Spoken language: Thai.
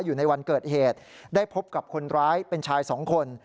อยู่ในวันเกิดเหตุได้พบกับคนร้ายเป็นชายสองคน